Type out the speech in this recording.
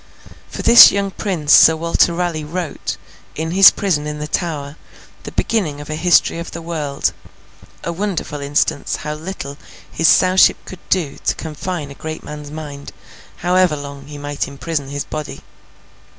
For this young prince Sir Walter Raleigh wrote, in his prison in the Tower, the beginning of a History of the World: a wonderful instance how little his Sowship could do to confine a great man's mind, however long he might imprison his body.